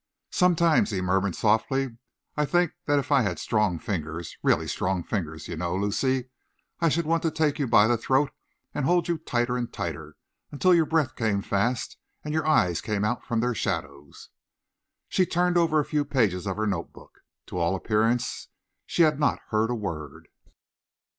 "Sometimes," he murmured softly, "I think that if I had strong fingers really strong fingers, you know, Lucy I should want to take you by the throat and hold you tighter and tighter, until your breath came fast, and your eyes came out from their shadows." She turned over a few pages of her notebook. To all appearance she had not heard a word.